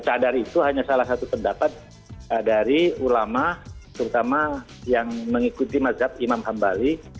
caadari itu hanya salah satu pendapat dari ulama terutama yang mengikuti masjid imam hanbali